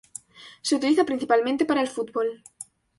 Se utiliza principalmente para el fútbol.